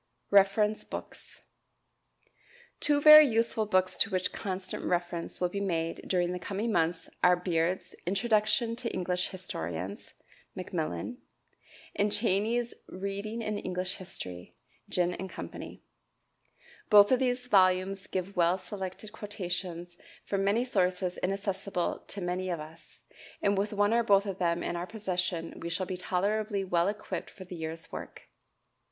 Reference Books. Two very useful books to which constant reference will be made during the coming months are Beard's "Introduction to the English Historians" (MacMillan), and Cheyney's "Readings in English History" (Ginn & Co.). Both of these volumes give well selected quotations from many sources inaccessible to many of us, and with one or both of them in our possession we shall be tolerably well equipped for the year's work.